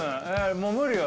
もう無理よ。